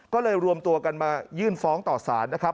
ก็เลยรวมตัวกันมายื่นฟ้องต่อสารนะครับ